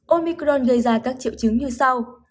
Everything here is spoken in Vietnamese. omicron gây ra các triệu chứng như sau